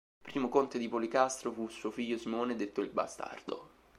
Primo Conte di Policastro fu suo figlio Simone, detto il Bastardo.